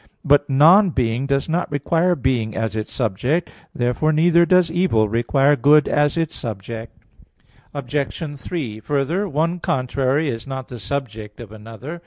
But "non being" does not require being as its subject. Therefore, neither does evil require good as its subject. Obj. 3: Further, one contrary is not the subject of another.